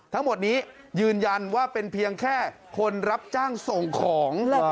ทั้งหมดนี้ยืนยันว่าเป็นเพียงแค่คนรับจ้างส่งของ